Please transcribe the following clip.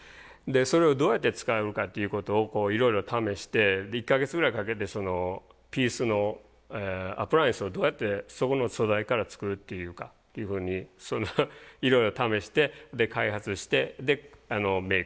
それをどうやって使うかっていうことをいろいろ試して１か月ぐらいかけてピースのアプライアンスをどうやってそこの素材から作るっていうかっていうふうにいろいろ試してで開発してメイクに使いました。